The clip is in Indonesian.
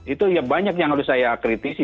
itu ya banyak yang harus saya kritisi